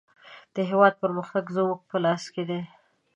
د هېواد پرمختګ زموږ په لاس کې دی.